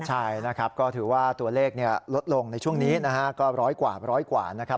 ใช่นะครับก็ถือว่าตัวเลขลดลงในช่วงนี้นะฮะก็ร้อยกว่าร้อยกว่านะครับ